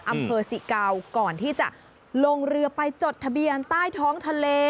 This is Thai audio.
อำเภอสิเกาก่อนที่จะลงเรือไปจดทะเบียนใต้ท้องทะเล